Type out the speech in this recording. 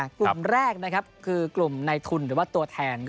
กลุ่มแรกนะครับคือกลุ่มในทุนแบบว่าตัวแทนก็